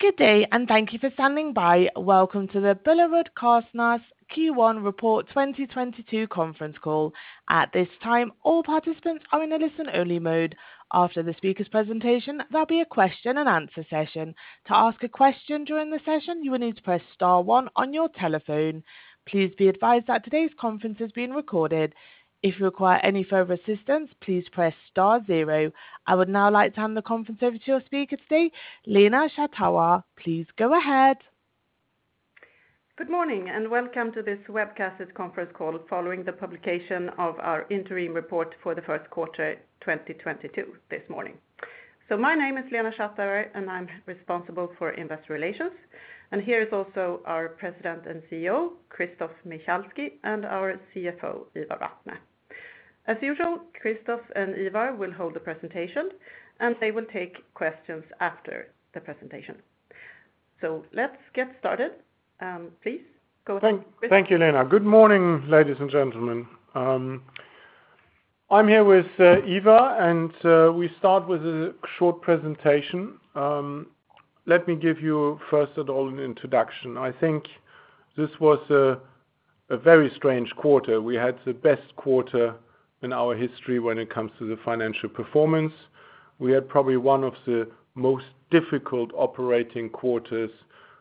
Good day and thank you for standing by. Welcome to the BillerudKorsnäs Q1 Report 2022 conference call. At this time, all participants are in a listen-only mode. After the speaker's presentation, there'll be a question and answer session. To ask a question during the session, you will need to press star one on your telephone. Please be advised that today's conference is being recorded. If you require any further assistance, please press star zero. I would now like to hand the conference over to your speaker today, Lena Schattauer. Please go ahead. Good morning, and welcome to this webcasted conference call following the publication of our interim report for the first quarter, 2022 this morning. My name is Lena Schattauer, and I'm responsible for investor relations. Here is also our President and CEO, Christoph Michalski, and our CFO, Ivar Vatne. As usual, Christoph and Ivar will hold the presentation, and they will take questions after the presentation. Let's get started. Please go ahead, Christoph. Thank you, Lena. Good morning, ladies and gentlemen. I'm here with Ivar, and we start with a short presentation. Let me give you first of all an introduction. I think this was a very strange quarter. We had the best quarter in our history when it comes to the financial performance. We had probably one of the most difficult operating quarters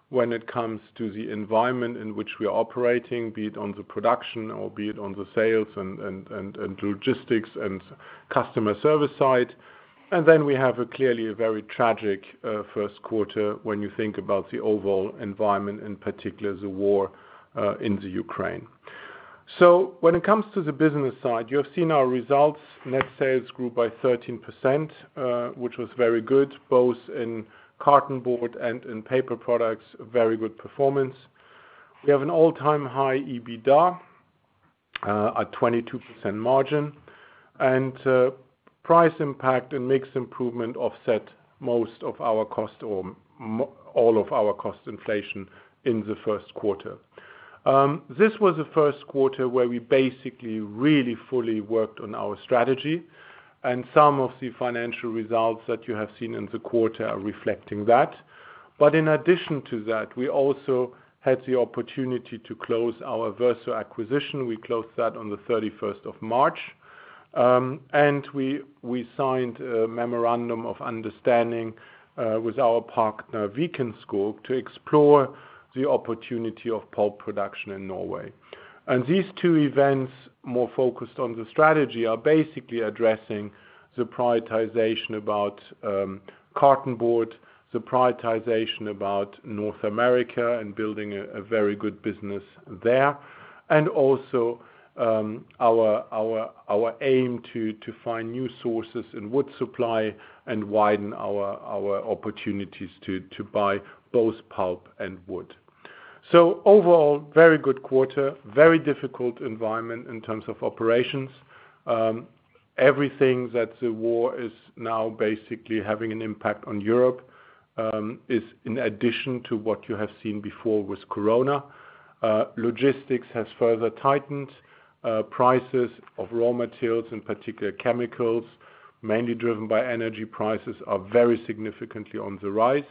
when it comes to the environment in which we are operating, be it on the production or be it on the sales and logistics and customer service side. We have clearly a very tragic first quarter when you think about the overall environment, in particular the war in the Ukraine. When it comes to the business side, you have seen our results. Net sales grew by 13%, which was very good, both in Cartonboard and in paper products, very good performance. We have an all-time high EBITDA at 22% margin. Price impact and mix improvement offset all of our cost inflation in the first quarter. This was the first quarter where we basically really fully worked on our strategy, and some of the financial results that you have seen in the quarter are reflecting that. In addition to that, we also had the opportunity to close our Verso acquisition. We closed that on the 31st of March. We signed a memorandum of understanding with our partner, Viken Skog, to explore the opportunity of pulp production in Norway. These two events, more focused on the strategy, are basically addressing the prioritization about cartonboard, the prioritization about North America and building a very good business there. Our aim to find new sources in wood supply and widen our opportunities to buy both pulp and wood. Overall, very good quarter, very difficult environment in terms of operations. Everything that the war is now basically having an impact on Europe is in addition to what you have seen before with COVID. Logistics has further tightened. Prices of raw materials, in particular chemicals, mainly driven by energy prices, are very significantly on the rise.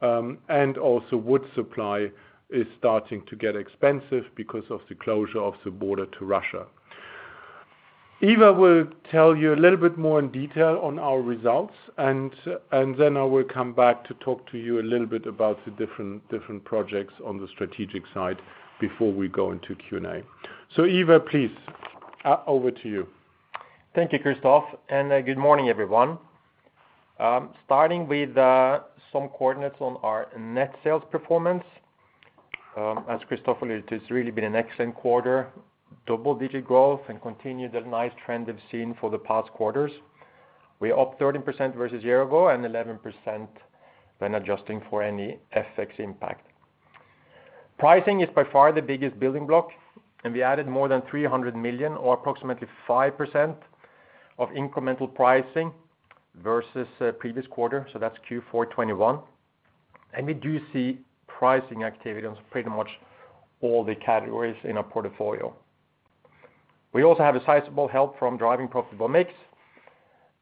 Wood supply is starting to get expensive because of the closure of the border to Russia. Ivar will tell you a little bit more in detail on our results and then I will come back to talk to you a little bit about the different projects on the strategic side before we go into Q&A. Ivar, please, over to you. Thank you, Christoph, and good morning, everyone. Starting with some coordinates on our net sales performance. As Christoph alluded, it's really been an excellent quarter. Double-digit growth and continued the nice trend we've seen for the past quarters. We're up 13% versus year ago and 11% when adjusting for any FX impact. Pricing is by far the biggest building block, and we added more than 300 million or approximately 5% of incremental pricing versus previous quarter, so that's Q4 2021. We do see pricing activity on pretty much all the categories in our portfolio. We also have a sizable help from driving profitable mix,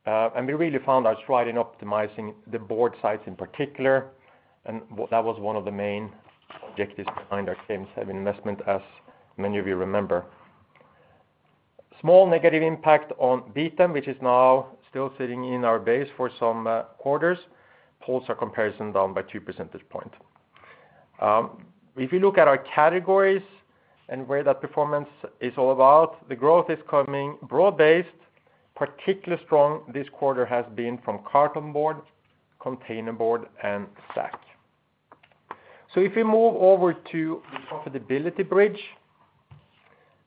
and we really found our stride in optimizing the board grades in particular, and that was one of the main objectives behind our KM7 investment, as many of you remember. Small negative impact on Beetham, which is now still sitting in our base for some quarters, pulls our comparison down by 2 percentage points. If you look at our categories and where that performance is all about, the growth is coming broad-based. Particularly strong this quarter has been from cartonboard, containerboard, and sack. If we move over to the profitability bridge,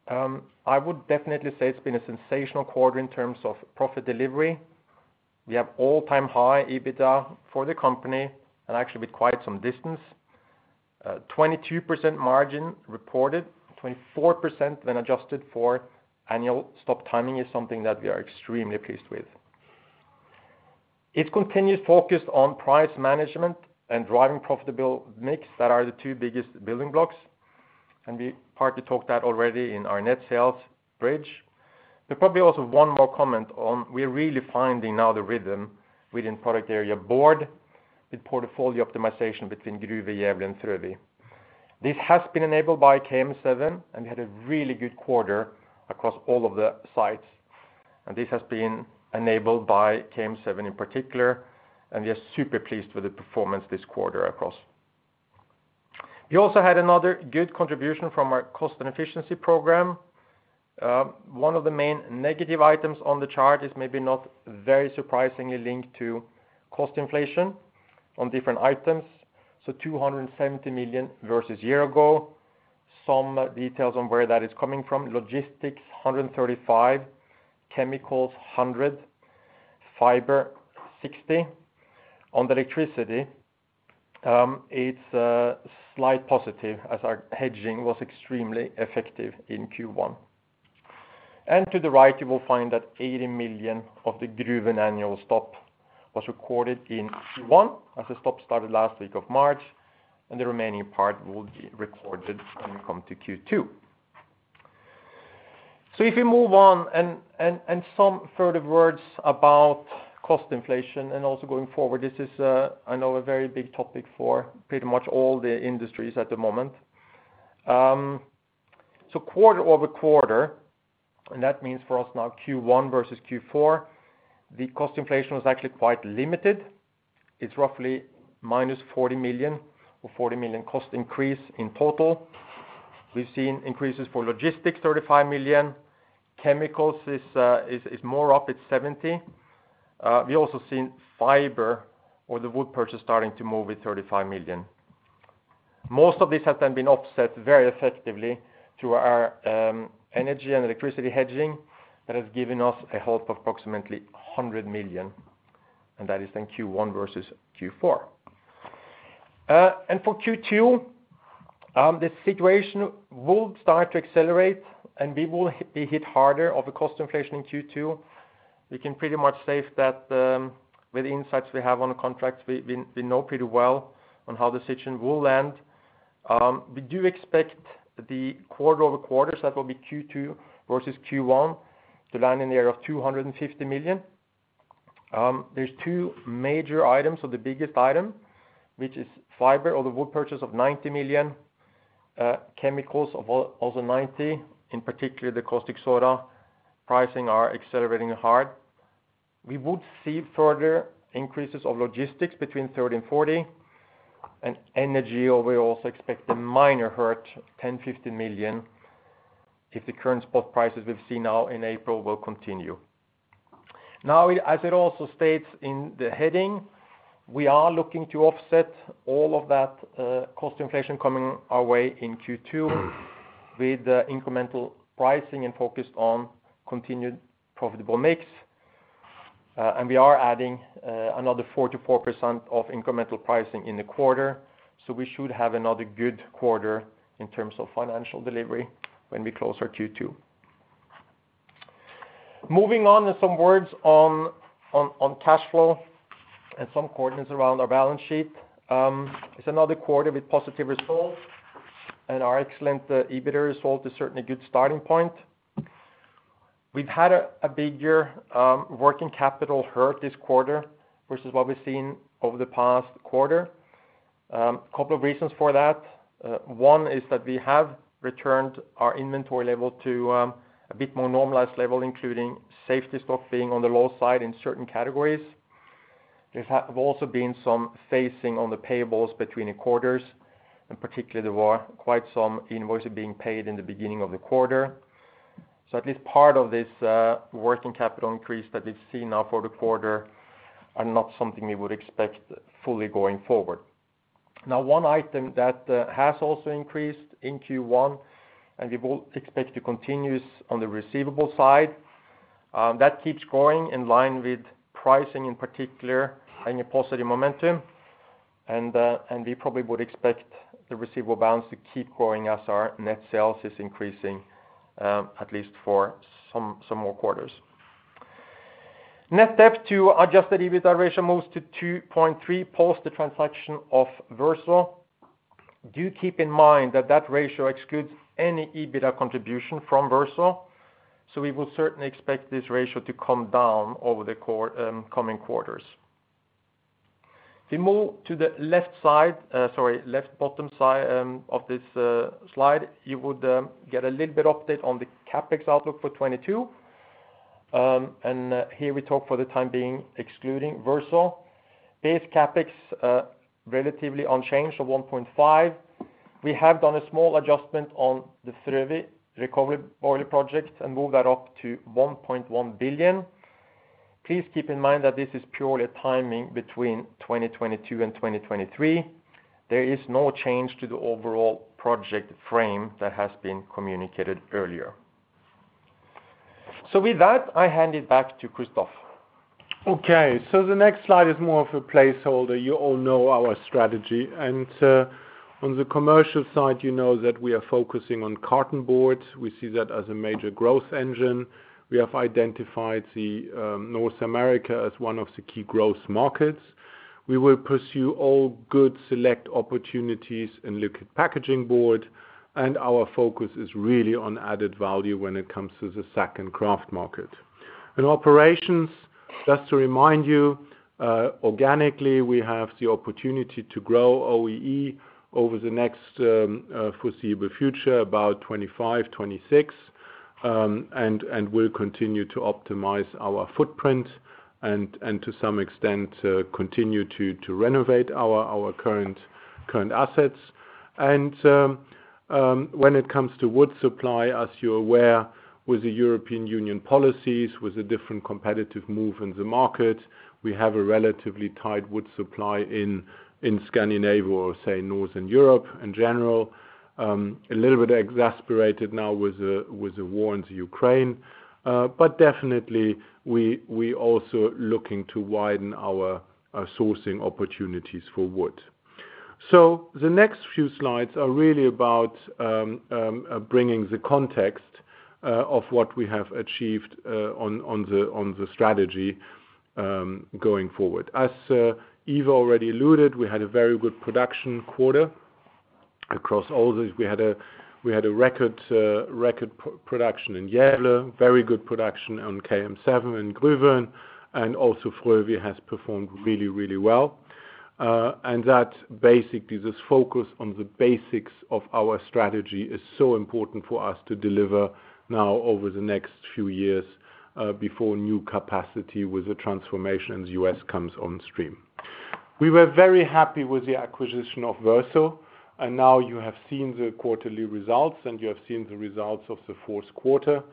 I would definitely say it's been a sensational quarter in terms of profit delivery. We have all-time high EBITDA for the company and actually with quite some distance. 22% margin reported, 24% when adjusted for annual stop timing is something that we are extremely pleased with. It continues focus on price management and driving profitable mix that are the two biggest building blocks. We partly talked that already in our net sales bridge. Probably also one more comment on we're really finding now the rhythm within product area board with portfolio optimization between Gruvön, Gävle, and Frövi. This has been enabled by KM7, and we had a really good quarter across all of the sites. This has been enabled by KM7 in particular, and we are super pleased with the performance this quarter across. We also had another good contribution from our cost and efficiency program. One of the main negative items on the chart is maybe not very surprisingly linked to cost inflation on different items, so 270 million versus year ago. Some details on where that is coming from, logistics, 135 million, chemicals, 100, fiber, 60. On the electricity, it's a slight positive as our hedging was extremely effective in Q1. To the right, you will find that 80 million of the Gruvön annual stop was recorded in Q1 as the stop started last week of March, and the remaining part will be recorded when we come to Q2. If we move on and some further words about cost inflation and also going forward, this is, I know a very big topic for pretty much all the industries at the moment. Quarter-over-quarter, and that means for us now Q1 versus Q4, the cost inflation was actually quite limited. It's roughly minus 40 million or 40 million cost increase in total. We've seen increases for logistics, 35 million. Chemicals is more up, it's 70. We also seen fiber or the wood purchase starting to move with 35 million. Most of this has then been offset very effectively through our energy and electricity hedging that has given us a help of approximately 100 million, and that is in Q1 versus Q4. For Q2, the situation will start to accelerate, and we will be hit harder by the cost inflation in Q2. We can pretty much say that with the insights we have on the contracts, we know pretty well how the situation will end. We do expect the quarter-over-quarter, that will be Q2 versus Q1, to land in the area of 250 million. There's two major items, so the biggest item, which is fiber or the wood purchase of 90 million, chemicals of also 90 million, in particular the caustic soda pricing are accelerating hard. We would see further increases of logistics between 30 million and 40 million, and energy we also expect a minor hit of 10-50 million, if the current spot prices we've seen now in April will continue. Now, as it also states in the heading, we are looking to offset all of that cost inflation coming our way in Q2 with the incremental pricing and focus on continued profitable mix. We are adding another 40% of incremental pricing in the quarter, so we should have another good quarter in terms of financial delivery when we close our Q2. Moving on to some words on cash flow and some comments around our balance sheet. It's another quarter with positive results, and our excellent EBITDA result is certainly a good starting point. We've had a bigger working capital hurt this quarter, which is what we've seen over the past quarter. Couple of reasons for that. One is that we have returned our inventory level to a bit more normalized level, including safety stock being on the low side in certain categories. There have also been some phasing on the payables between the quarters, and particularly there were quite some invoices being paid in the beginning of the quarter. At least part of this working capital increase that we've seen now for the quarter are not something we would expect fully going forward. Now one item that has also increased in Q1, and we will expect to continue is on the receivable side, that keeps growing in line with pricing, in particular, any positive momentum. We probably would expect the r`eceivable balance to keep growing as our net sales is increasing, at least for some more quarters. Net debt to adjusted EBITDA ratio moves to 2.3 post the transaction of Verso. Do keep in mind that that ratio excludes any EBITDA contribution from Verso, so we will certainly expect this ratio to come down over the coming quarters. If we move to the left bottom of this slide, you would get a little bit update on the CapEx outlook for 2022. Here we talk for the time being excluding Verso. Base CapEx relatively unchanged to 1.5 billion. We have done a small adjustment on the Frövi recovery boiler project and moved that up to 1.1 billion. Please keep in mind that this is purely timing between 2022 and 2023. There is no change to the overall project frame that has been communicated earlier. With that, I hand it back to Christoph. Okay, the next slide is more of a placeholder. You all know our strategy. On the commercial side, you know that we are focusing on cartonboard. We see that as a major growth engine. We have identified North America as one of the key growth markets. We will pursue all good select opportunities and look at packaging board, and our focus is really on added value when it comes to the sack and kraft market. In operations, just to remind you, organically, we have the opportunity to grow OEE over the next foreseeable future, about 25-26. We'll continue to optimize our footprint and to some extent continue to renovate our current assets. When it comes to wood supply, as you're aware, with the European Union policies, with the different competitive move in the market, we have a relatively tight wood supply in Scandinavia or, say, Northern Europe in general. A little bit exasperated now with the war in Ukraine. Definitely we also looking to widen our sourcing opportunities for wood. The next few slides are really about bringing the context of what we have achieved on the strategy going forward. Ivar already alluded, we had a very good production quarter across all the. We had a record production in Gjellerud, very good production on KM7 in Gruvön, and also Frövi has performed really well. That basically this focus on the basics of our strategy is so important for us to deliver now over the next few years, before new capacity with the transformation in the U.S. comes on stream. We were very happy with the acquisition of Verso, and now you have seen the quarterly results, and you have seen the results of the fourth quarter.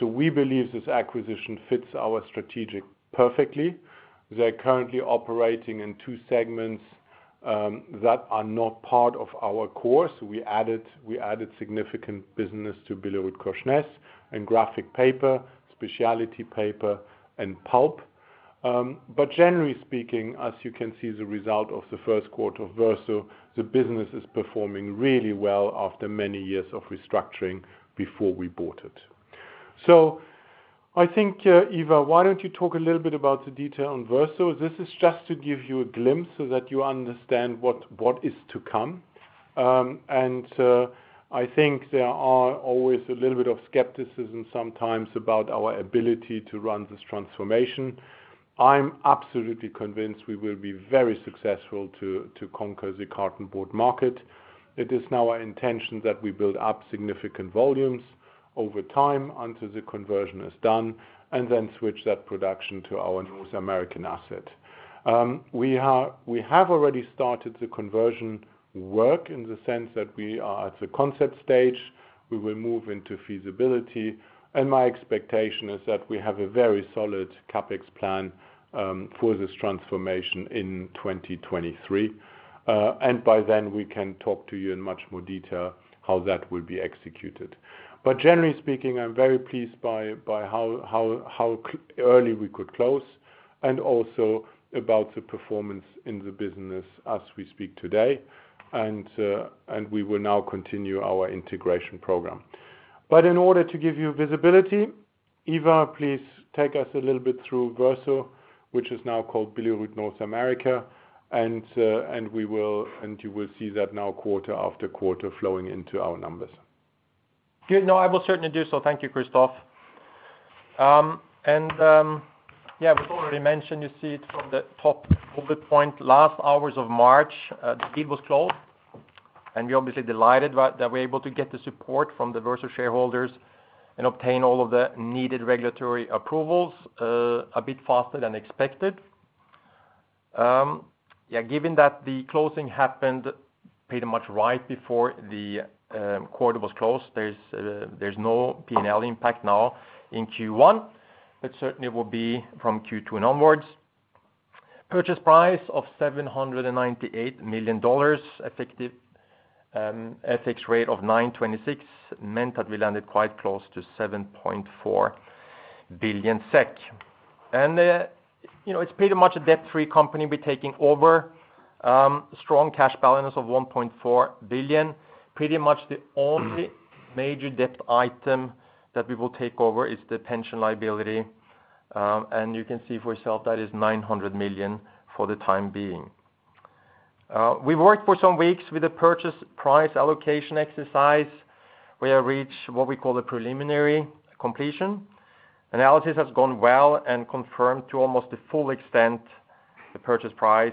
We believe this acquisition fits our strategy perfectly. They're currently operating in two segments that are not part of our core. We added significant business to BillerudKorsnäs in Graphic paper, Speciality paper, and pulp. Generally speaking, as you can see, the results of the first quarter of Verso, the business is performing really well after many years of restructuring before we bought it. I think, Ivar, why don't you talk a little bit about the detail on Verso? This is just to give you a glimpse so that you understand what is to come. I think there are always a little bit of skepticism sometimes about our ability to run this transformation. I'm absolutely convinced we will be very successful to conquer the cartonboard market. It is now our intention that we build up significant volumes over time until the conversion is done, and then switch that production to our North American asset. We have already started the conversion work in the sense that we are at the concept stage. We will move into feasibility, and my expectation is that we have a very solid CapEx plan for this transformation in 2023. By then, we can talk to you in much more detail how that will be executed. Generally speaking, I'm very pleased by how early we could close, and also about the performance in the business as we speak today. We will now continue our integration program. In order to give you visibility, Ivar, please take us a little bit through Verso, which is now called Billerud North America, and you will see that now quarter after quarter flowing into our numbers. Good. No, I will certainly do so. Thank you, Christoph. We've already mentioned, you see it from the top bullet point, last hours of March, the deal was closed. We're obviously delighted that we're able to get the support from the Verso shareholders and obtain all of the needed regulatory approvals, a bit faster than expected. Given that the closing happened pretty much right before the quarter was closed, there's no P&L impact now in Q1. It certainly will be from Q2 and onwards. Purchase price of $798 million, effective FX rate of 9.26% meant that we landed quite close to 7.4 billion SEK. You know, it's pretty much a debt-free company we're taking over. Strong cash balance of $1.4 billion. Pretty much the only major debt item that we will take over is the pension liability, and you can see for yourself that is 900 million for the time being. We've worked for some weeks with the purchase price allocation exercise. We have reached what we call a preliminary completion. Analysis has gone well and confirmed to almost the full extent the purchase price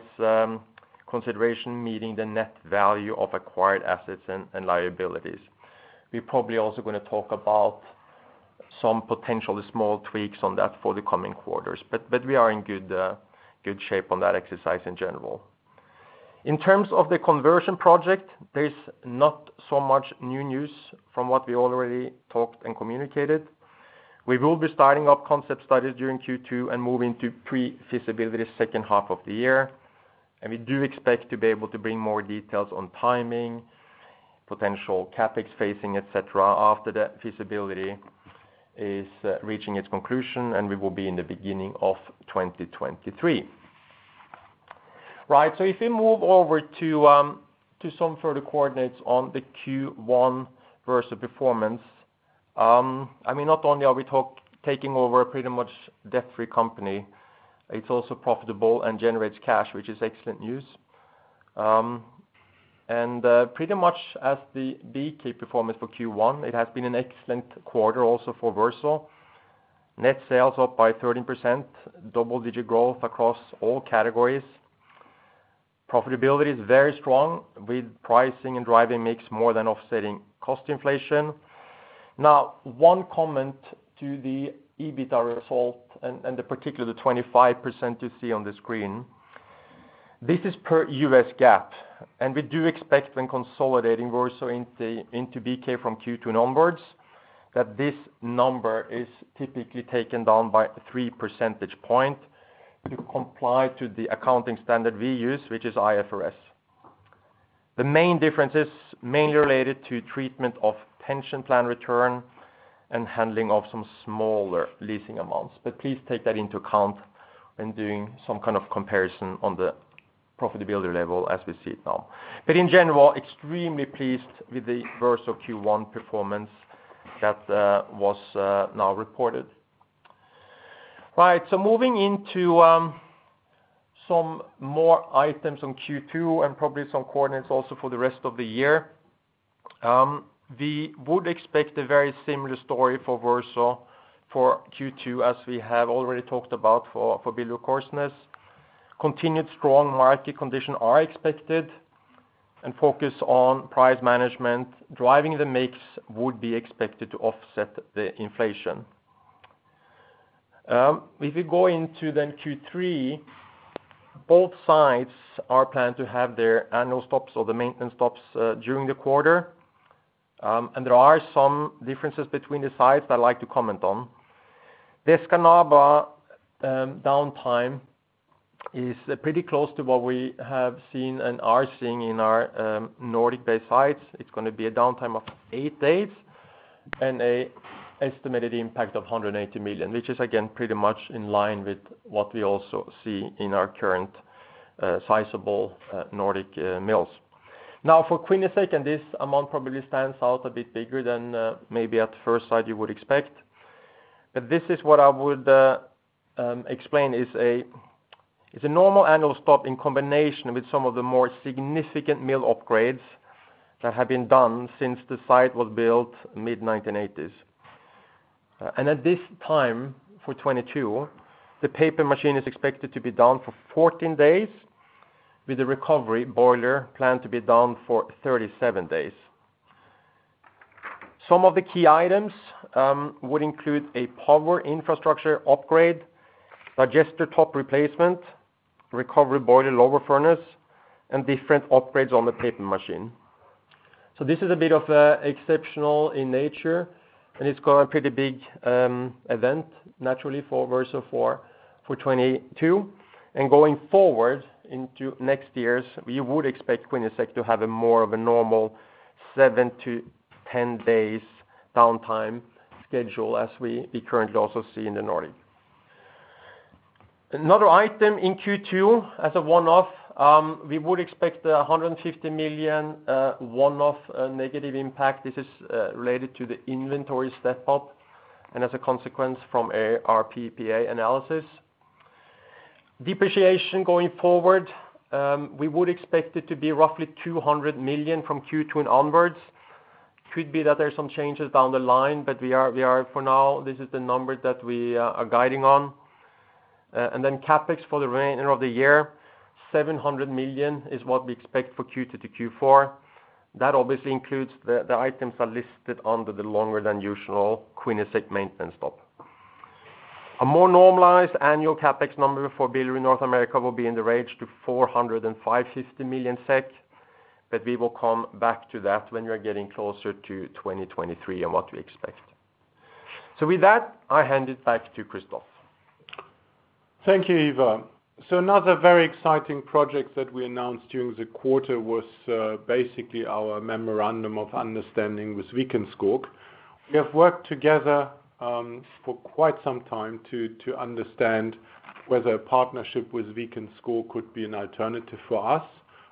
consideration meeting the net value of acquired assets and liabilities. We're probably also gonna talk about some potentially small tweaks on that for the coming quarters, but we are in good shape on that exercise in general. In terms of the conversion project, there's not so much new news from what we already talked and communicated. We will be starting up concept studies during Q2 and moving to pre-feasibility second half of the year. We do expect to be able to bring more details on timing, potential CapEx, financing, et cetera, after the feasibility is reaching its conclusion, and we will be in the beginning of 2023. Right. If we move over to some further coordinates on the Q1, Verso's performance, I mean, not only are we taking over a pretty much debt-free company, it's also profitable and generates cash, which is excellent news. Pretty much as the BK performance for Q1, it has been an excellent quarter also for Verso. Net sales up by 13%, double-digit growth across all categories. Profitability is very strong with pricing and mix driving more than offsetting cost inflation. Now, one comment to the EBITDA result and particularly the 25% you see on the screen, this is per U.S. GAAP. We do expect when consolidating Verso into BK from Q2 onwards, that this number is typically taken down by three percentage points to comply to the accounting standard we use, which is IFRS. The main difference is mainly related to treatment of pension plan return and handling of some smaller leasing amounts. Please take that into account when doing some kind of comparison on the profitability level as we see it now. In general, extremely pleased with the Verso Q1 performance that was now reported. Right. Moving into some more items on Q2 and probably some coordinates also for the rest of the year. We would expect a very similar story for Verso for Q2, as we have already talked about for BillerudKorsnäs. Continued strong market condition are expected and focus on price management. Driving the mix would be expected to offset the inflation. If you go into Q3, both sites are planned to have their annual stops or the maintenance stops during the quarter. There are some differences between the sites I'd like to comment on. The Escanaba downtime is pretty close to what we have seen and are seeing in our Nordic-based sites. It's going to be a downtime of eight days and an estimated impact of 180 million, which is again pretty much in line with what we also see in our current sizable Nordic mills. Now, for Quinnesec, this amount probably stands out a bit bigger than maybe at first sight you would expect. This is what I would explain is a normal annual stop in combination with some of the more significant mill upgrades that have been done since the site was built mid-1980s. At this time for 2022, the paper machine is expected to be down for 14 days, with the recovery boiler planned to be down for 37 days. Some of the key items would include a power infrastructure upgrade, digester top replacement, recovery boiler lower furnace, and different upgrades on the paper machine. This is a bit exceptional in nature, and it's got a pretty big event naturally for Verso for 2022. Going forward into next years, we would expect Quinnesec to have more of a normal seven-ten days downtime schedule as we currently also see in the Nordic. Another item in Q2 as a one-off, we would expect 150 million one-off negative impact. This is related to the inventory step-up and as a consequence from a PPA analysis. Depreciation going forward, we would expect it to be roughly 200 million from Q2 and onwards. Could be that there are some changes down the line, but we are for now, this is the number that we are guiding on. Then CapEx for the remainder of the year, 700 million is what we expect for Q2 to Q4. That obviously includes the items that are listed under the longer than usual Quinnesec maintenance stop. A more normalized annual CapEx number for Billerud North America will be in the range of 400 million-450 million SEK, but we will come back to that when we are getting closer to 2023 and what we expect. With that, I hand it back to Christoph. Thank you, Ivar. Another very exciting project that we announced during the quarter was basically our memorandum of understanding with Norske Skog. We have worked together for quite some time to understand whether a partnership with Norske Skog could be an alternative for us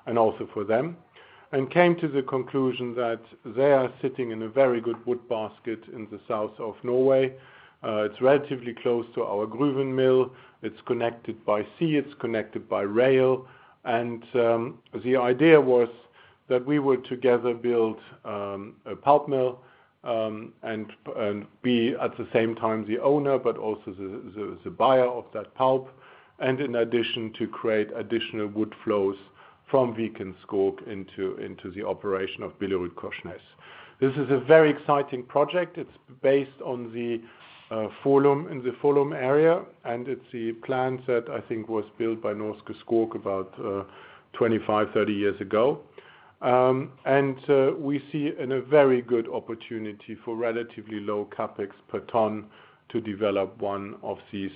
and also for them, and came to the conclusion that they are sitting in a very good wood basket in the south of Norway. It's relatively close to our Gruvön mill. It's connected by sea, it's connected by rail, and the idea was that we would together build a pulp mill and be at the same time the owner, but also the buyer of that pulp, and in addition to create additional wood flows from Norske Skog into the operation of BillerudKorsnäs. This is a very exciting project. It's based on the Follum, in the Follum area, and it's the plant that I think was built by Norske Skog about 25, 30 years ago. We see a very good opportunity for relatively low CapEx per ton to develop one of these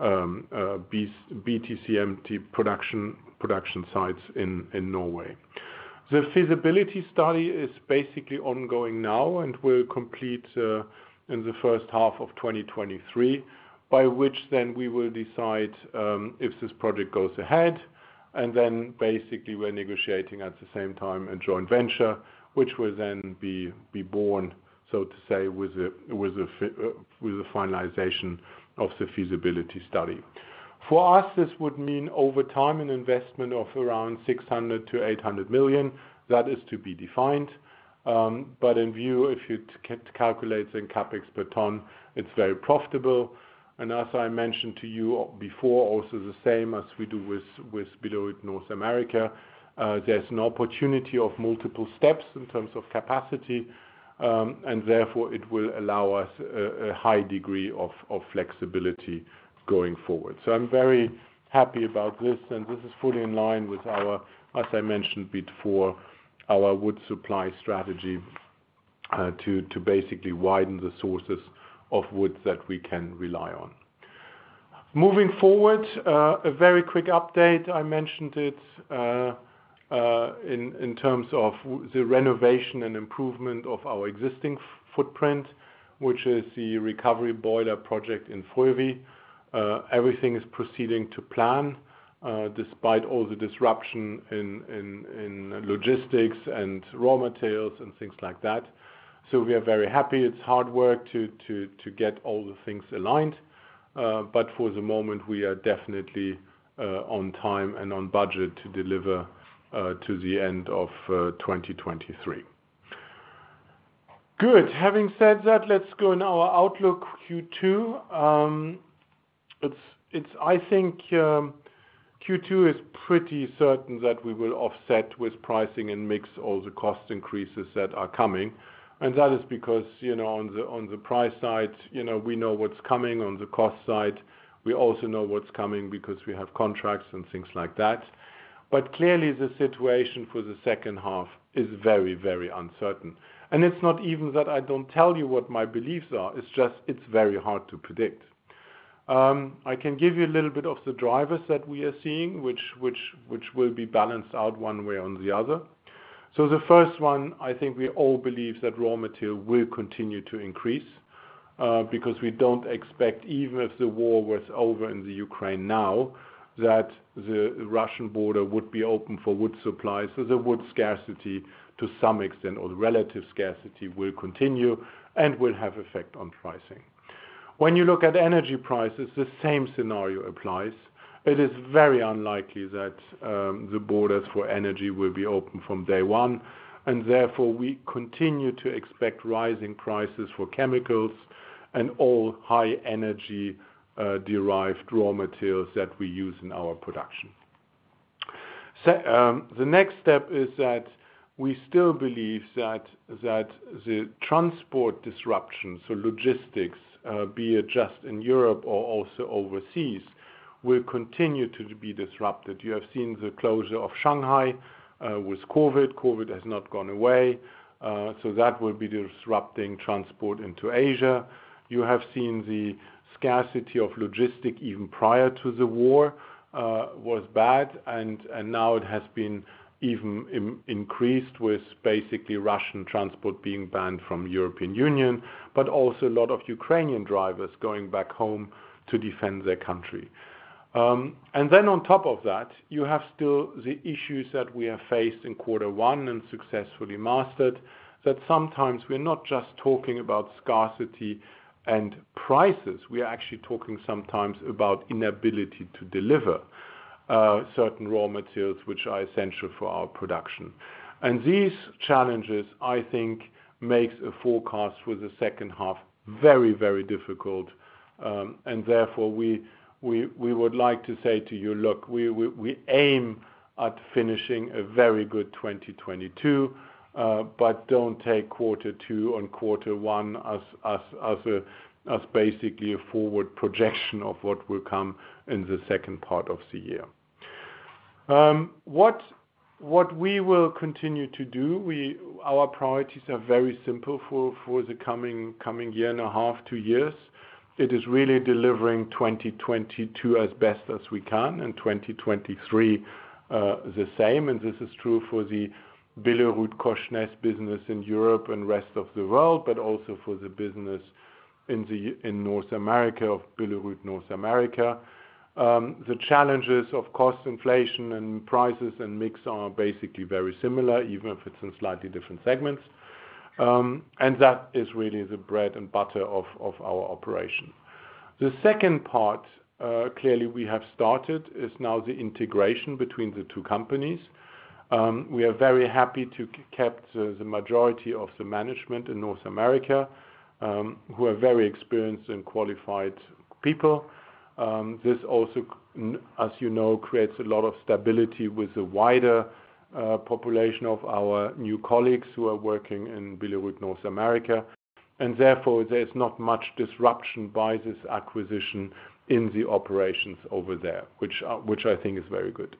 BCTMP production sites in Norway. The feasibility study is basically ongoing now and will complete in the first half of 2023, by which then we will decide if this project goes ahead. Basically we're negotiating at the same time a joint venture, which will then be born, so to say, with the finalization of the feasibility study. For us, this would mean over time an investment of around 600 million-800 million. That is to be defined. In view, if you calculate in CapEx per ton, it's very profitable. As I mentioned to you before, also the same as we do with Billerud North America, there's an opportunity of multiple steps in terms of capacity, and therefore it will allow us a high degree of flexibility going forward. I'm very happy about this, and this is fully in line with our, as I mentioned before, our wood supply strategy to basically widen the sources of wood that we can rely on. Moving forward, a very quick update, I mentioned it in terms of the renovation and improvement of our existing footprint, which is the recovery boiler project in Frövi. Everything is proceeding to plan, despite all the disruption in logistics and raw materials and things like that. We are very happy. It's hard work to get all the things aligned, but for the moment, we are definitely on time and on budget to deliver to the end of 2023. Good. Having said that, let's go now Outlook Q2. I think Q2 is pretty certain that we will offset with pricing and mix all the cost increases that are coming. That is because, you know, on the price side, you know, we know what's coming. On the cost side, we also know what's coming because we have contracts and things like that. But clearly the situation for the second half is very uncertain. It's not even that I don't tell you what my beliefs are, it's just very hard to predict. I can give you a little bit of the drivers that we are seeing, which will be balanced out one way or the other. The first one, I think we all believe that raw material will continue to increase, because we don't expect, even if the war was over in the Ukraine now, that the Russian border would be open for wood supplies. The wood scarcity to some extent or the relative scarcity will continue and will have effect on pricing. When you look at energy prices, the same scenario applies. It is very unlikely that the borders for energy will be open from day one, and therefore we continue to expect rising prices for chemicals and all high energy derived raw materials that we use in our production. The next step is that we still believe that the transport disruption, so logistics, be it just in Europe or also overseas, will continue to be disrupted. You have seen the closure of Shanghai with COVID. COVID has not gone away, so that will be disrupting transport into Asia. You have seen the scarcity of logistics even prior to the war was bad and now it has been even increased with basically Russian transport being banned from European Union, but also a lot of Ukrainian drivers going back home to defend their country. Then on top of that, you have still the issues that we have faced in quarter one and successfully mastered that sometimes we're not just talking about scarcity and prices, we are actually talking sometimes about inability to deliver certain raw materials which are essential for our production. These challenges, I think, makes a forecast for the second half very, very difficult. Therefore we would like to say to you, "Look, we aim at finishing a very good 2022, but don't take quarter two and quarter one as basically a forward projection of what will come in the second part of the year." What we will continue to do, our priorities are very simple for the coming year and a half, two years. It is really delivering 2022 as best as we can, and 2023, the same. This is true for the BillerudKorsnäs business in Europe and rest of the world, but also for the business in North America of Billerud North America. The challenges of cost inflation and prices and mix are basically very similar, even if it's in slightly different segments. That is really the bread and butter of our operation. The second part, clearly we have started, is now the integration between the two companies. We are very happy to have kept the majority of the management in North America, who are very experienced and qualified people. This also, as you know, creates a lot of stability with the wider population of our new colleagues who are working in Billerud North America. Therefore, there's not much disruption by this acquisition in the operations over there, which I think is very good.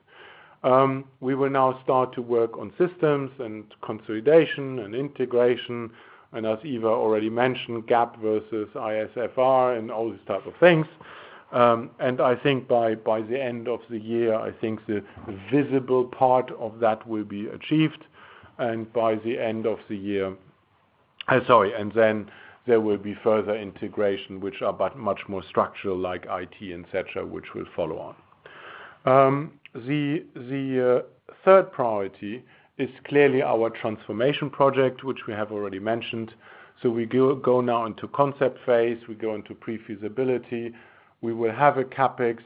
We will now start to work on systems and consolidation and integration, and as Ivar already mentioned, GAAP versus IFRS and all these type of things. I think by the end of the year, the visible part of that will be achieved. By the end of the year, there will be further integration which are but much more structural like IT, et cetera, which will follow on. The third priority is clearly our transformation project, which we have already mentioned. We go now into concept phase. We go into pre-feasibility. We will have a CapEx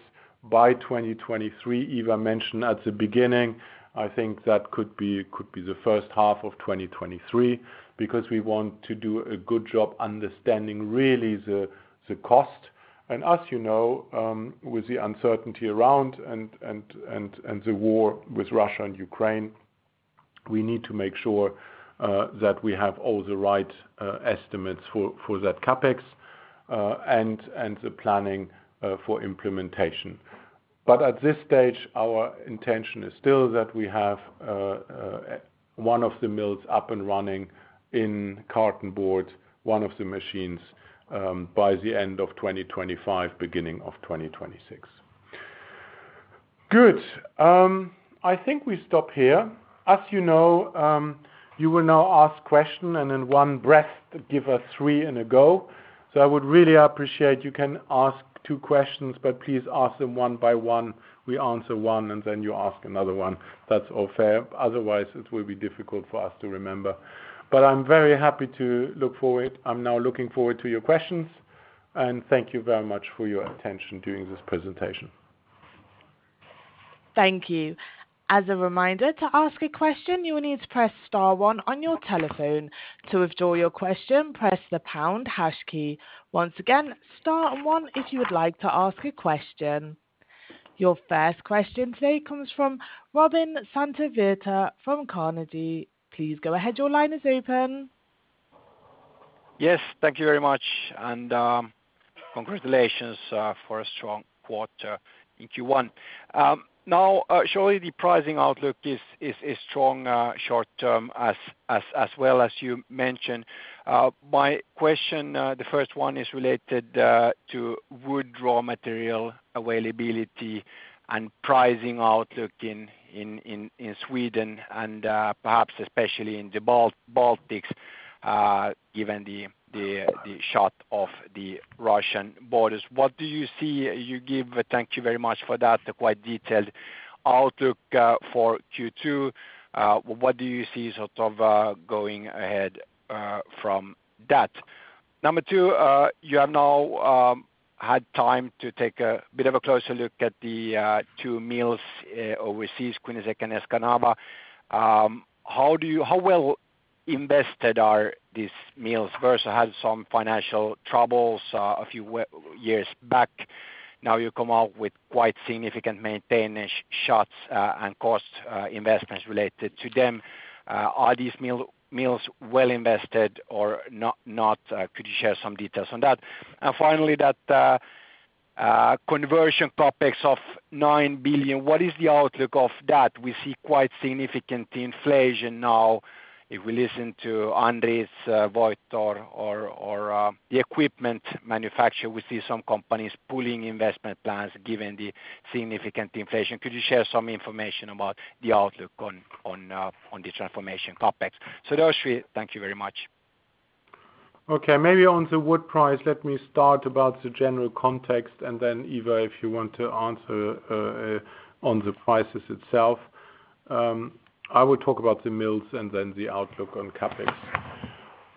by 2023. Ivar mentioned at the beginning, I think that could be the first half of 2023 because we want to do a good job understanding really the cost. As you know, with the uncertainty around and the war with Russia and Ukraine, we need to make sure that we have all the right estimates for that CapEx and the planning for implementation. At this stage, our intention is still that we have one of the mills up and running in cartonboard, one of the machines, by the end of 2025, beginning of 2026. Good. I think we stop here. As you know, you will now ask question and in one breath give us three in a go. I would really appreciate you can ask two questions, but please ask them one by one. We answer one, and then you ask another one. That's all fair. Otherwise, it will be difficult for us to remember. I'm very happy to look forward. I'm now looking forward to your questions, and thank you very much for your attention during this presentation. Thank you. As a reminder, to ask a question, you will need to press star one on your telephone. To withdraw your question, press the pound hash key. Once again, star and one if you would like to ask a question. Your first question today comes from Robin Santavirta from Carnegie. Please go ahead. Your line is open. Yes, thank you very much. Congratulations for a strong quarter in Q1. Now, surely the pricing outlook is strong short-term as well as you mentioned. My question, the first one is related to wood raw material availability and pricing outlook in Sweden and perhaps especially in the Baltics, given the shutdown of the Russian borders. Thank you very much for that, quite detailed outlook for Q2. What do you see sort of going ahead from that? Number two, you have now had time to take a bit of a closer look at the two mills overseas, Quinnesec and Escanaba. How well invested are these mills? Verso had some financial troubles, a few years back. Now you come out with quite significant maintenance shutdowns and costly investments related to them. Are these mills well invested or not? Could you share some details on that? Finally, that conversion CapEx of 9 billion, what is the outlook of that? We see quite significant inflation now. If we listen to Andritz voice or the equipment manufacturer, we see some companies pulling investment plans given the significant inflation. Could you share some information about the outlook on the transformation CapEx? Those three. Thank you very much. Okay, maybe on the wood price, let me start about the general context and then Ivar, if you want to answer on the prices itself. I will talk about the mills and then the outlook on CapEx.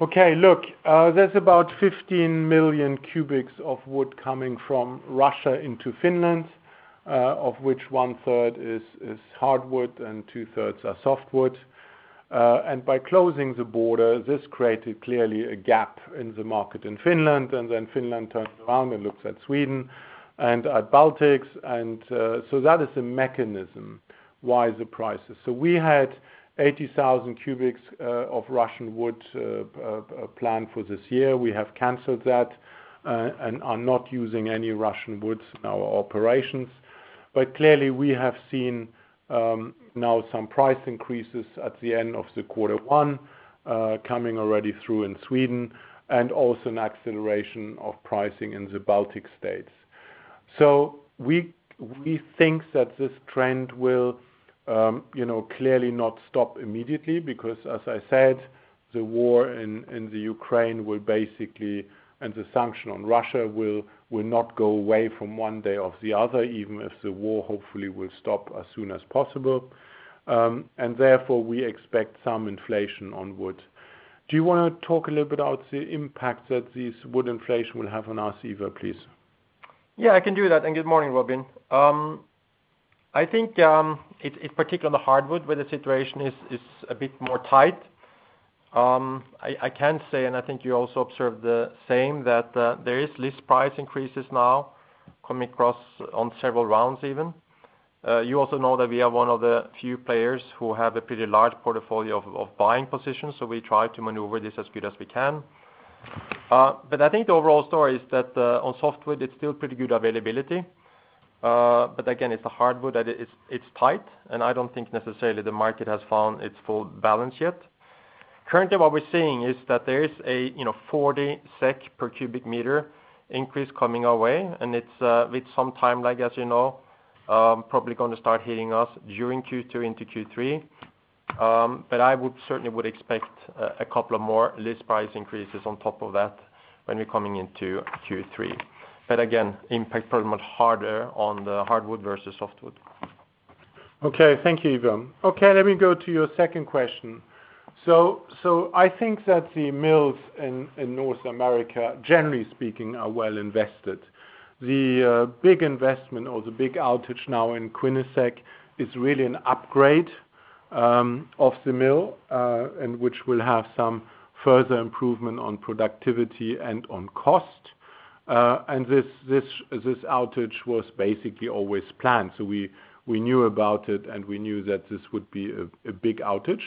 Okay. Look, there's about 15 million cu of wood coming from Russia into Finland, of which one third is hardwood and two thirds are softwood. By closing the border, this created clearly a gap in the market in Finland, and then Finland turned around and looks at Sweden and at the Baltics. That is the mechanism why the prices. We had 80,000 cu of Russian wood planned for this year. We have canceled that and are not using any Russian wood in our operations. Clearly we have seen now some price increases at the end of the quarter one coming already through in Sweden and also an acceleration of pricing in the Baltic states. We think that this trend will clearly not stop immediately because, as I said, the war in the Ukraine will basically, and the sanction on Russia will not go away from one day or the other, even if the war hopefully will stop as soon as possible. And therefore, we expect some inflation on wood. Do you wanna talk a little bit about the impact that this wood inflation will have on our P&L, please? Yeah, I can do that. Good morning, Robin. I think in particular the hardwood where the situation is a bit more tight. I can say, and I think you also observe the same, that there is list price increases now coming across on several rounds even. You also know that we are one of the few players who have a pretty large portfolio of buying positions, so we try to maneuver this as good as we can. I think the overall story is that on softwood it's still pretty good availability. Again, it's the hardwood that it's tight, and I don't think necessarily the market has found its full balance yet. Currently, what we're seeing is that there is a 40 SEK cu/s increase coming our way, and it's with some timeline. Probably gonna start hitting us during Q2 into Q3. I would certainly expect a couple of more list price increases on top of that when we're coming into Q3. Again, impact probably much harder on the hardwood versus softwood. Okay. Thank you, Ivar. Okay, let me go to your second question. I think that the mills in North America, generally speaking, are well invested. The big investment or the big outage now in Quinnesec is really an upgrade of the mill and which will have some further improvement on productivity and on cost. This outage was basically always planned, so we knew about it, and we knew that this would be a big outage.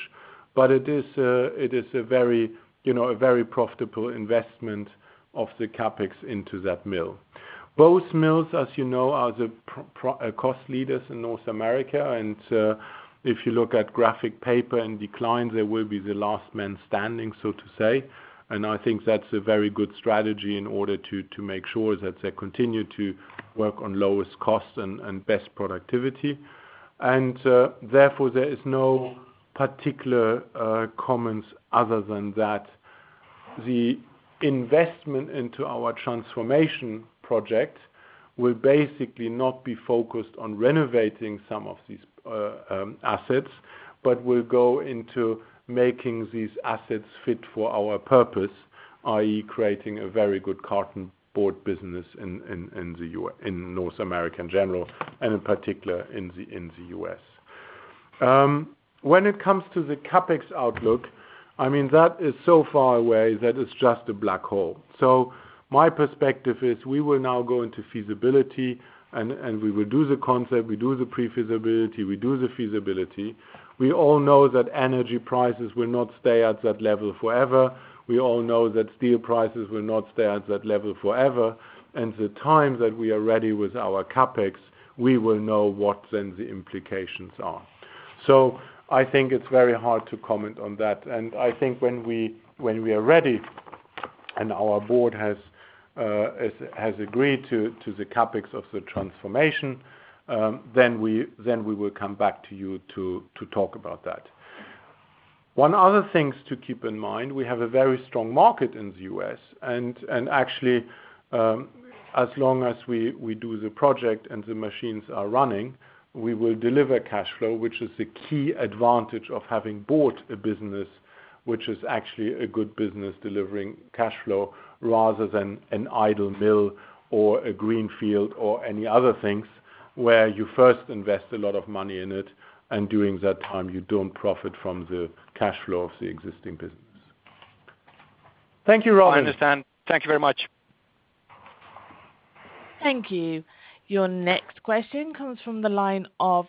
It is a very, you know, a very profitable investment of the CapEx into that mill. Both mills, as you know, are the cost leaders in North America. If you look at Graphic paper and declines, they will be the last man standing, so to say. I think that's a very good strategy in order to to make sure that they continue to work on lowest cost and best productivity. Therefore, there is no particular comments other than that. The investment into our transformation project will basically not be focused on renovating some of these assets, but will go into making these assets fit for our purpose, i.e., creating a very good cartonboard business in the U.S. in North America in general, and in particular, in the U.S. When it comes to the CapEx outlook, I mean, that is so far away that it's just a black hole. My perspective is we will now go into feasibility and we will do the concept, we do the pre-feasibility, we do the feasibility. We all know that energy prices will not stay at that level forever. We all know that steel prices will not stay at that level forever. The time that we are ready with our CapEx, we will know what then the implications are. I think it's very hard to comment on that. I think when we are ready and our board has agreed to the CapEx of the transformation, then we will come back to you to talk about that. One other thing to keep in mind, we have a very strong market in the U.S. Actually, as long as we do the project and the machines are running, we will deliver cash flow, which is the key advantage of having bought a business, which is actually a good business delivering cash flow rather than an idle mill or a green field or any other things, where you first invest a lot of money in it, and during that time, you don't profit from the cash flow of the existing business. Thank you, Robin. I understand. Thank you very much. Thank you. Your next question comes from the line of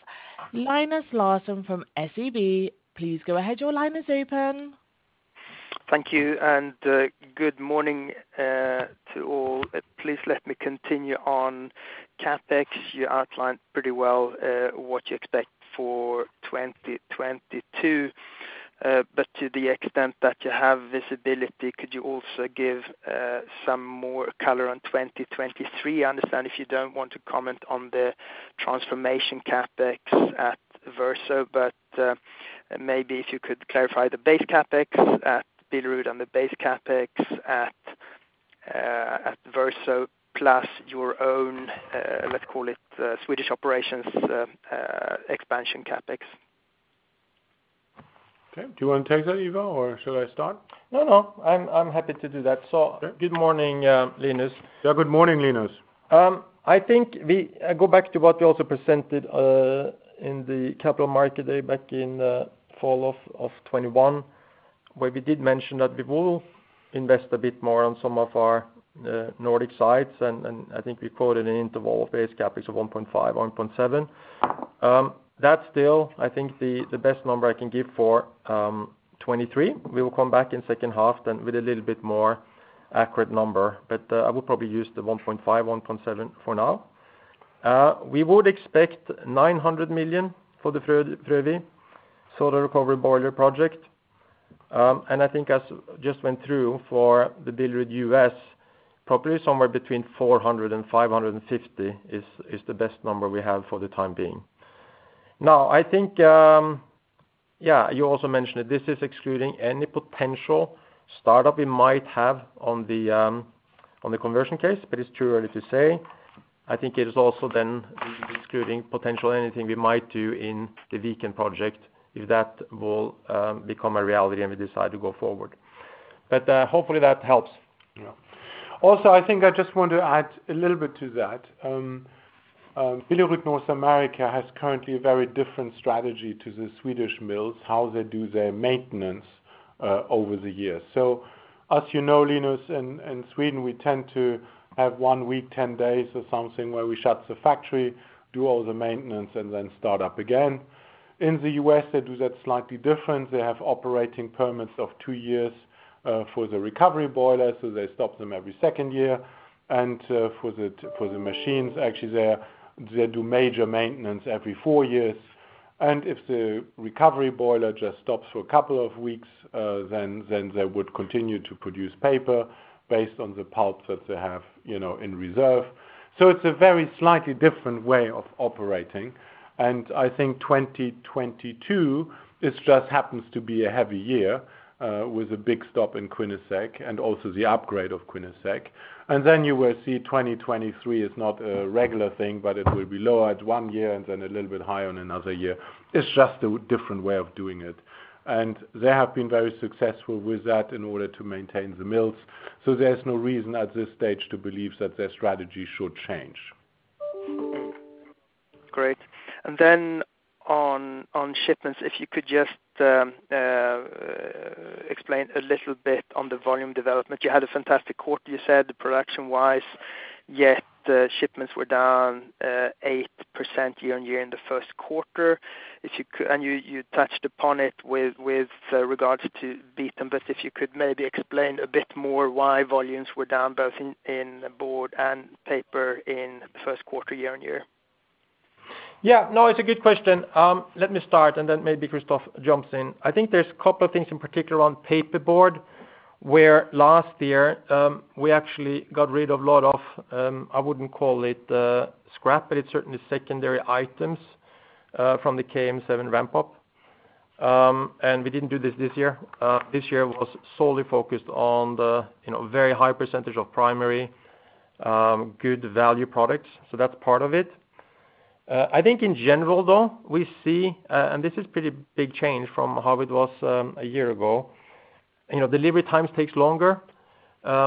Linus Larsson from SEB. Please go ahead. Your line is open. Thank you, and good morning to all. Please let me continue on CapEx. You outlined pretty well what you expect for 2022. To the extent that you have visibility, could you also give some more color on 2023? I understand if you don't want to comment on the transformation CapEx at Verso, but maybe if you could clarify the base CapEx at Billerud and the base CapEx at Verso, plus your own, let's call it, Swedish operations expansion CapEx. Okay. Do you wanna take that, Ivar, or shall I start? No, no. I'm happy to do that. Okay. Good morning, Linus. Yeah. Good morning, Linus. I think I go back to what we also presented in the capital market day back in fall of 2021, where we did mention that we will invest a bit more on some of our Nordic sites. I think we quoted an interval of base CapEx of 1.5 billion-1.7 billion. That's still, I think, the best number I can give for 2023. We will come back in second half then with a little bit more accurate number. I would probably use the 1.5 billion-1.7 billion for now. We would expect 900 million for the Frövi recovery boiler project. I think as we just went through for the Billerud U.S., probably somewhere between 400 million-550 million is the best number we have for the time being. Now, I think, yeah, you also mentioned it. This is excluding any potential startup we might have on the conversion case, but it's too early to say. I think it is also then excluding potentially anything we might do in the Viken project, if that will become a reality and we decide to go forward. Hopefully that helps. Yeah. Also, I think I just want to add a little bit to that. Billerud North America has currently a very different strategy to the Swedish mills, how they do their maintenance, over the years. As you know, Linus, in Sweden, we tend to have one week, 10 days or something, where we shut the factory, do all the maintenance, and then start up again. In the U.S., they do that slightly different. They have operating permits of two years, for the recovery boiler, so they stop them every second year. For the machines, actually, they do major maintenance every four years. If the recovery boiler just stops for a couple of weeks, then they would continue to produce paper based on the pulp that they have, you know, in reserve. It's a very slightly different way of operating. I think 2022, it just happens to be a heavy year, with a big stop in Quinnesec and also the upgrade of Quinnesec. Then you will see 2023 is not a regular thing, but it will be lower at one year and then a little bit higher on another year. It's just a different way of doing it. They have been very successful with that in order to maintain the mills, so there's no reason at this stage to believe that their strategy should change. Great. On shipments, if you could just explain a little bit on the volume development. You had a fantastic quarter, you said, production-wise, yet shipments were down 8% year-on-year in the first quarter. If you could you touched upon it with regards to Beetham, but if you could maybe explain a bit more why volumes were down both in board and paper in the first quarter year-on-year. Yeah. No, it's a good question. Let me start, and then maybe Christoph jumps in. I think there's a couple of things in particular on paperboard, where last year, we actually got rid of a lot of, I wouldn't call it, scrap, but it's certainly secondary items, from the KM7 ramp up. We didn't do this this year. This year was solely focused on the, you know, very high percentage of primary, good value products. That's part of it. I think in general though, we see, and this is pretty big change from how it was, a year ago, you know, delivery times takes longer.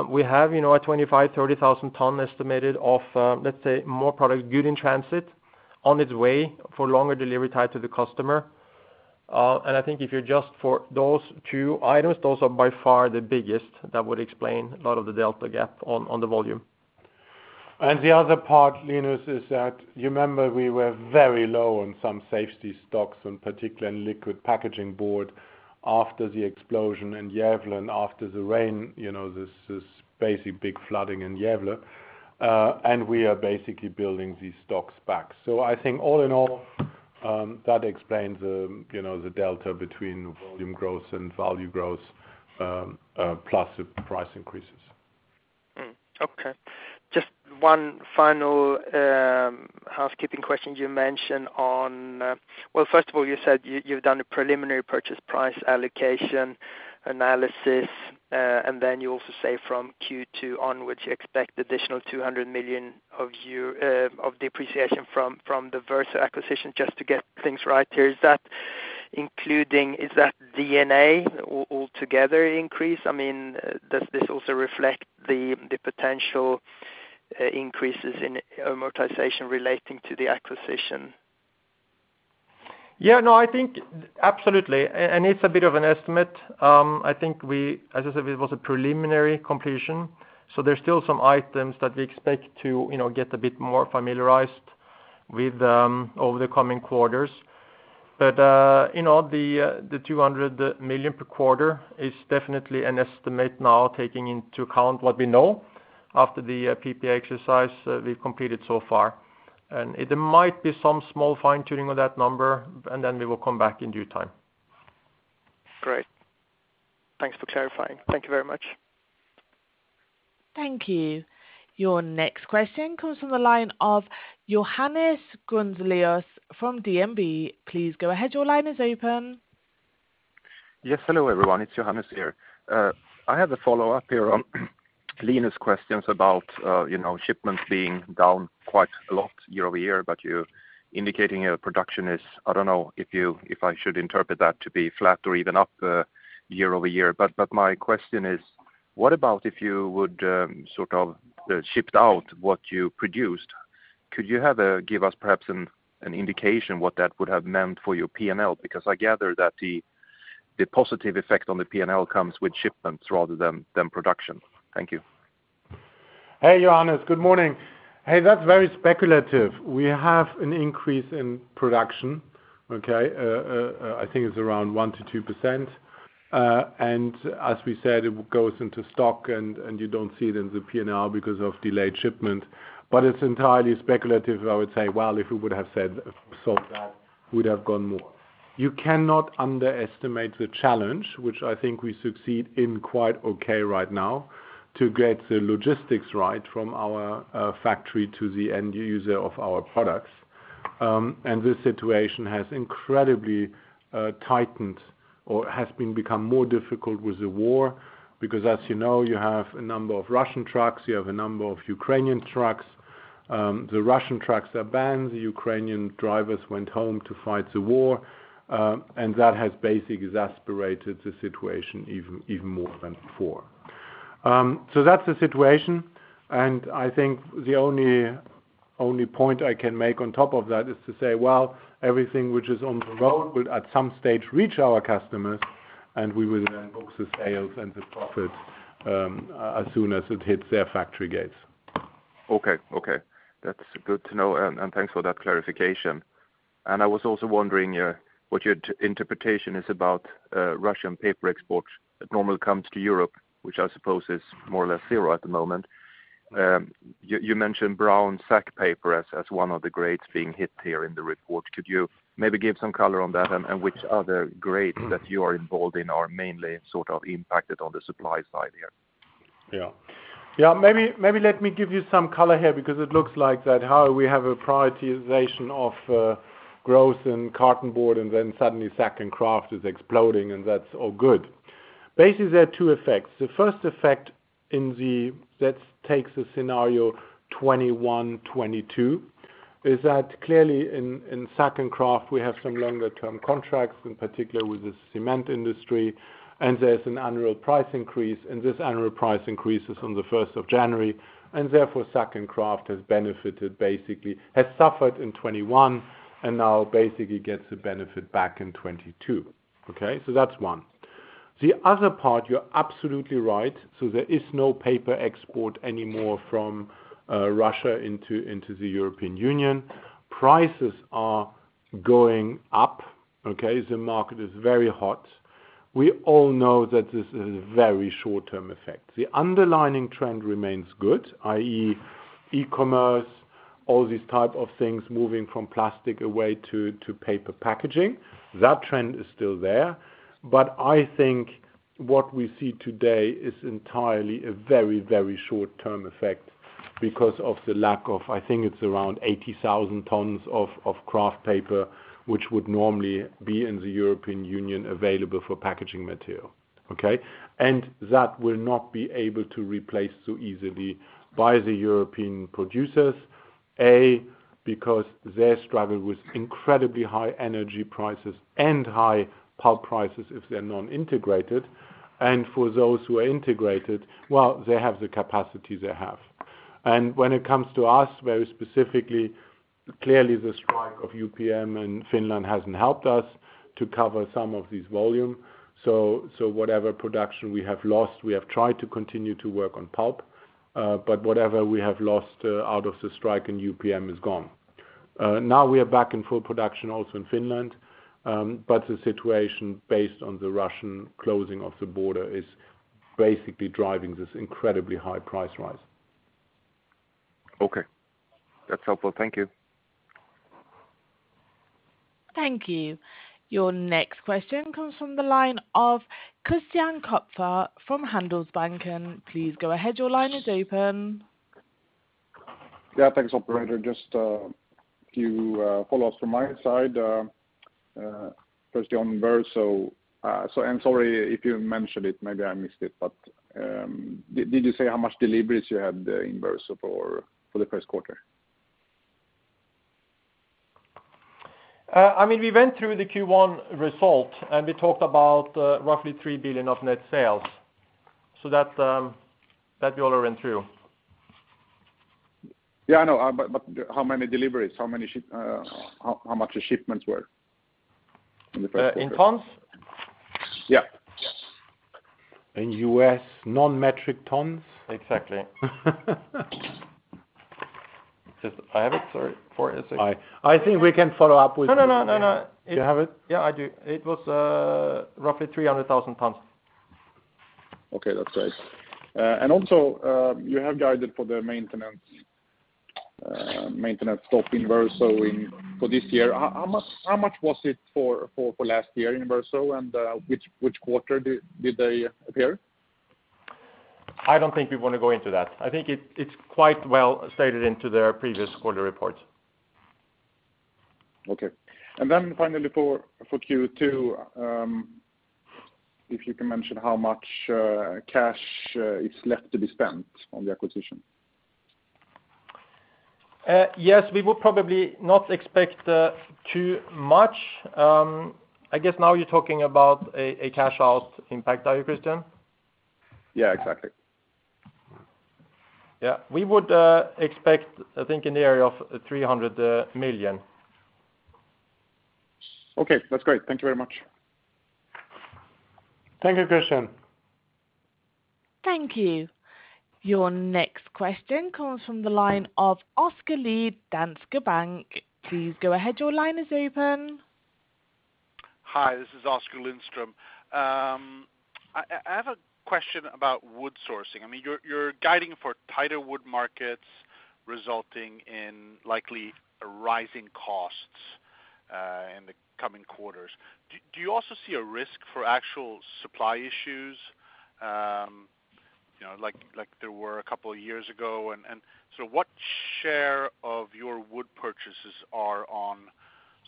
We have, you know, a 25-30,000 ton estimate of, let's say, more good product in transit on its way for longer delivery time to the customer. I think if you adjust for those two items, those are by far the biggest that would explain a lot of the delta gap on the volume. The other part, Linus, is that you remember we were very low on some safety stocks, and particularly in liquid packaging board after the explosion in Gävle and after the rain, you know, this basically big flooding in Gävle. We are basically building these stocks back. I think all in all, that explains the, you know, the delta between volume growth and value growth, plus price increases. Okay. Just one final housekeeping question you mentioned on. Well, first of all, you said you've done a preliminary purchase price allocation analysis, and then you also say from Q2 onwards, you expect additional 200 million of depreciation from the Verso acquisition just to get things right here. Is that including, is that D&A altogether increase? I mean, does this also reflect the potential increases in amortization relating to the acquisition? Yeah. No, I think absolutely. It's a bit of an estimate. I think as I said, it was a preliminary completion, so there's still some items that we expect to, you know, get a bit more familiarized with over the coming quarters. In all, the 200 million per quarter is definitely an estimate now, taking into account what we know after the PPA exercise that we've completed so far. It might be some small fine-tuning of that number, and then we will come back in due time. Great. Thanks for clarifying. Thank you very much. Thank you. Your next question comes from the line of Johannes Grunselius from DNB. Please go ahead. Your line is open. Yes. Hello, everyone. It's Johannes here. I have a follow-up here on Linus' questions about, you know, shipments being down quite a lot year-over-year, but you're indicating your production is, I don't know if I should interpret that to be flat or even up, year-over-year. My question is. What about if you would sort of shipped out what you produced? Could you give us perhaps an indication what that would have meant for your P&L? Because I gather that the positive effect on the P&L comes with shipments rather than production. Thank you. Hey, Johannes. Good morning. Hey, that's very speculative. We have an increase in production, okay? I think it's around 1%-2%. And as we said, it goes into stock and you don't see it in the P&L because of delayed shipment. It's entirely speculative, I would say, well, if we would have solved that, we'd have gone more. You cannot underestimate the challenge, which I think we succeed in quite okay right now, to get the logistics right from our factory to the end user of our products. And this situation has incredibly tightened or has become more difficult with the war because as you know, you have a number of Russian trucks, you have a number of Ukrainian trucks. The Russian trucks are banned. The Ukrainian drivers went home to fight the war, and that has basically exacerbated the situation even more than before. That's the situation, and I think the only point I can make on top of that is to say, well, everything which is on the road will at some stage reach our customers, and we will then book the sales and the profits, as soon as it hits their factory gates. Okay. That's good to know and thanks for that clarification. I was also wondering, what's your interpretation of Russian paper exports that normally comes to Europe, which I suppose is more or less zero at the moment. You mentioned brown sack paper as one of the grades being hit here in the report. Could you maybe give some color on that and which other grades that you are involved in are mainly sort of impacted on the supply side here? Maybe let me give you some color here because it looks like that's how we have a prioritization of growth and cartonboard, and then suddenly sack and kraft is exploding, and that's all good. Basically, there are two effects. The first effect, let's take the scenario 2021, 2022, is that clearly in sack and kraft, we have some longer-term contracts, in particular with the cement industry, and there's an annual price increase. This annual price increase is on the first of January, and therefore, sack and kraft has suffered in 2021, and now basically gets the benefit back in 2022, okay? That's one. The other part, you're absolutely right. There is no paper export anymore from Russia into the European Union. Prices are going up, okay? The market is very hot. We all know that this is a very short-term effect. The underlying trend remains good, i.e., e-commerce, all these type of things moving from plastic away to paper packaging. That trend is still there. I think what we see today is entirely a very, very short-term effect because of the lack of, I think it's around 80,000 tons of kraft paper, which would normally be in the European Union available for packaging material, okay? That will not be able to replace so easily by the European producers, A, because they struggle with incredibly high energy prices and high pulp prices if they're non-integrated. For those who are integrated, well, they have the capacity they have. When it comes to us very specifically, clearly the strike of UPM in Finland hasn't helped us to cover some of this volume. Whatever production we have lost, we have tried to continue to work on pulp. Whatever we have lost out of the strike in UPM is gone. Now we are back in full production also in Finland, but the situation based on the Russian closing of the border is basically driving this incredibly high price rise. Okay. That's helpful. Thank you. Thank you. Your next question comes from the line of Christian Kopfer from Handelsbanken. Please go ahead, your line is open. Yeah, thanks operator. Just a few follow-ups from my side. First on Verso. I'm sorry if you mentioned it, maybe I missed it, but did you say how much deliveries you had in Verso for the first quarter? I mean, we went through the Q1 result, and we talked about roughly 3 billion of net sales. That we already went through. Yeah, I know. How many deliveries? How much the shipments were in the first quarter? In tons? Yeah. In U.S. non-metric tons? Exactly. I have it. Sorry. I think we can follow up with you. No, no. You have it? Yeah, I do. It was roughly 300,000 tons. Okay, that's great. Also, you have guided for the maintenance stop in Verso for this year. How much was it for last year in Verso and which quarter did they appear? I don't think we wanna go into that. I think it's quite well stated in their previous quarterly report. Okay. Finally for Q2, if you can mention how much cash is left to be spent on the acquisition? Yes. We would probably not expect too much. I guess now you're talking about a cash out impact. Are you, Christian? Yeah, exactly. Yeah. We would expect, I think, in the area of 300 million. Okay, that's great. Thank you very much. Thank you, Christian. Thank you. Your next question comes from the line of Oskar Lindström, Danske Bank. Please go ahead, your line is open. Hi, this is Oskar Lindström. I have a question about wood sourcing. I mean, you're guiding for tighter wood markets resulting in likely rising costs in the coming quarters. Do you also see a risk for actual supply issues, you know, like there were a couple of years ago? What share of your wood purchases are on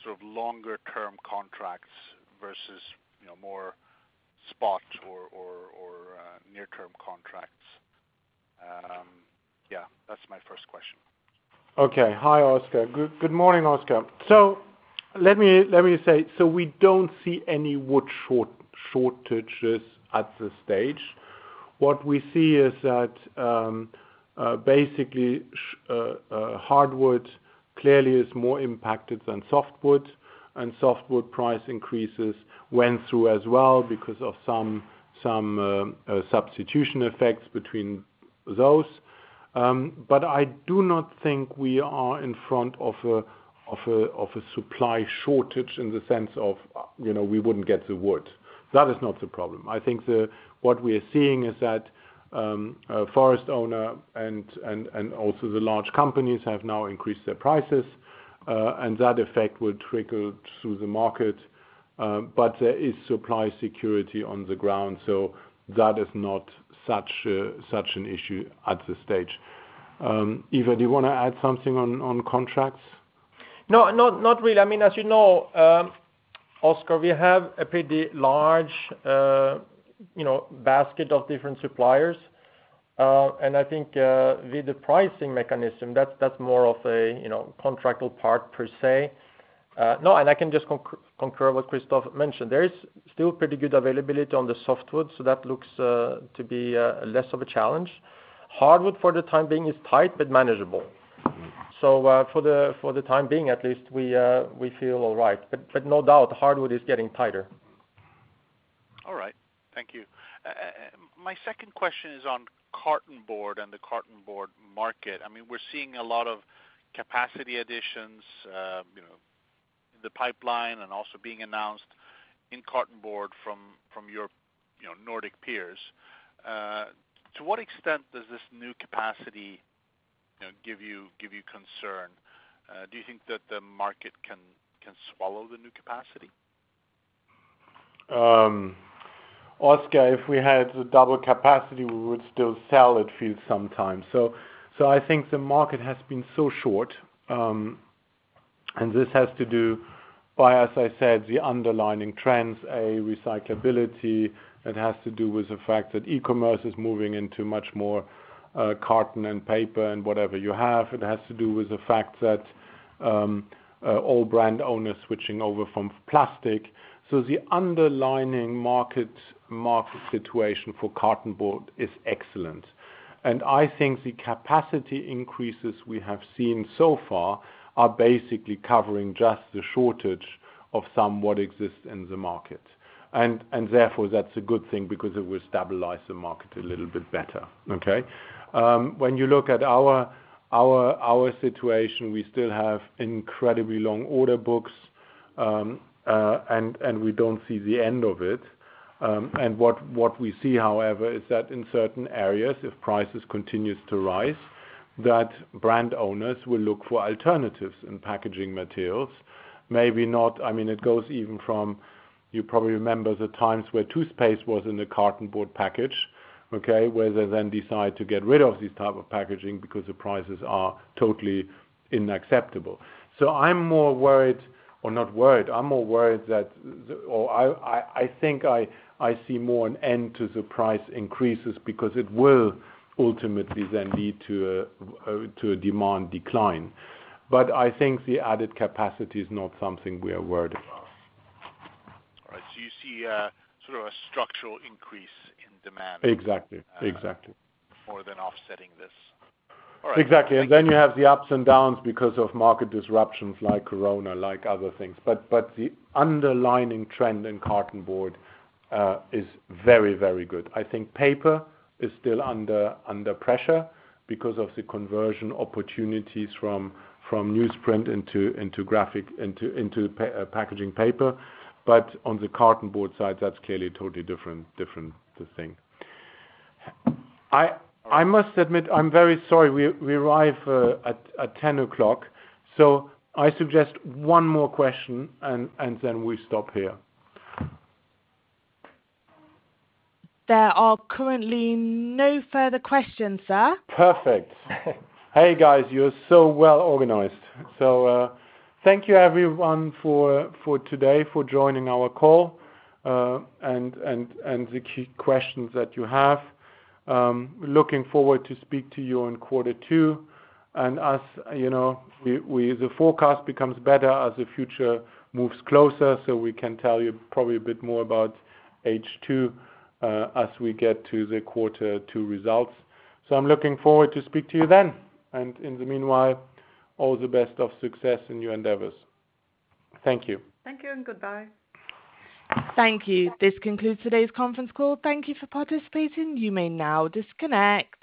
sort of longer term contracts versus, you know, more spot or near term contracts? Yeah, that's my first question. Okay. Hi, Oskar. Good morning, Oskar. Let me say, we don't see any wood shortages at this stage. What we see is that basically hardwood clearly is more impacted than softwood. Softwood price increases went through as well because of some substitution effects between those. I do not think we are in front of a supply shortage in the sense of, you know, we wouldn't get the wood. That is not the problem. I think what we are seeing is that a forest owner and also the large companies have now increased their prices, and that effect will trickle through the market. There is supply security on the ground, so that is not such an issue at this stage. Ivar, do you wanna add something on contracts? No, not really. I mean, as you know, Oskar, we have a pretty large, you know, basket of different suppliers. I think with the pricing mechanism, that's more of a, you know, contractual part per se. No, I can just concur what Christoph mentioned. There is still pretty good availability on the softwood, so that looks to be less of a challenge. Hardwood for the time being is tight, but manageable. Mm-hmm. For the time being at least, we feel all right. No doubt, hardwood is getting tighter. All right. Thank you. My second question is on cartonboard and the cartonboard market. I mean, we're seeing a lot of capacity additions, you know, in the pipeline and also being announced in cartonboard from your, you know, Nordic peers. To what extent does this new capacity, you know, give you concern? Do you think that the market can swallow the new capacity? Oskar, if we had the double capacity, we would still sell it for you sometime. I think the market has been so short, and this has to do with, as I said, the underlying trends, recyclability. It has to do with the fact that e-commerce is moving into much more, cartonboard and paper and whatever you have. It has to do with the fact that all brand owners switching over from plastic. The underlying market situation for cartonboard is excellent. I think the capacity increases we have seen so far are basically covering just the shortage of what exists in the market. Therefore, that's a good thing because it will stabilize the market a little bit better, okay? When you look at our situation, we still have incredibly long order books, and we don't see the end of it. What we see, however, is that in certain areas, if prices continues to rise, that brand owners will look for alternatives in packaging materials. I mean, it goes even from, you probably remember the times where toothpaste was in a cartonboard package, okay? Where they then decide to get rid of these type of packaging because the prices are totally unacceptable. I'm more worried, or not worried, I'm more worried. I think I see more an end to the price increases because it will ultimately then lead to a demand decline. I think the added capacity is not something we are worried about. All right. You see, sort of a structural increase in demand. Exactly. more than offsetting this. All right. Exactly. Thank you. You have the ups and downs because of market disruptions like COVID, like other things. The underlying trend in carton board is very, very good. I think paper is still under pressure because of the conversion opportunities from newsprint into graphic into packaging paper. On the carton board side, that's clearly a totally different thing. I must admit I'm very sorry we arrive at 10:00. I suggest one more question and then we stop here. There are currently no further questions, sir. Perfect. Hey guys, you're so well organized. Thank you everyone for today, for joining our call, and the key questions that you have. Looking forward to speak to you in quarter two. As you know, the forecast becomes better as the future moves closer, so we can tell you probably a bit more about H2, as we get to the quarter two results. I'm looking forward to speak to you then. In the meanwhile, all the best of success in your endeavors. Thank you. Thank you and goodbye. Thank you. This concludes today's conference call. Thank you for participating. You may now disconnect.